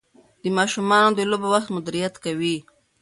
د ماشومانو د لوبو وخت مدیریت کوي.